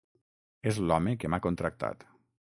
És l'home que m'ha contractat.